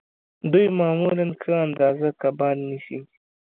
دوی معمولاً ښه اندازه کبان نیسي